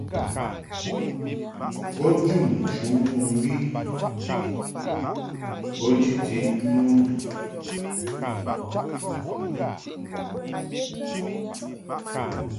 Bo jun nchǔ mɨŋgwi bo jiti no nduʼ.